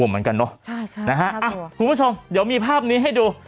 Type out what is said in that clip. อ่าคุณผู้ชมเดี๋ยวมีภาพนี้ให้ดู